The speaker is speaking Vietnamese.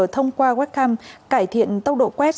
thông qua webcam cải thiện tốc độ quét